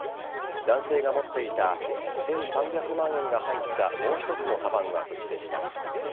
男性が持っていた１３００万円が入ったもう一つのかばんは無事でした。